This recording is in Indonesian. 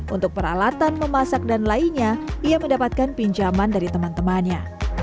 untuk peralatan memasak dan lainnya ia mendapatkan pinjaman dari teman temannya